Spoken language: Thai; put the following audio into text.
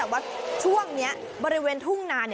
ว่าช่วงนี้บริเวณทุ่งนา